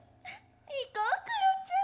行こうクロちゃん。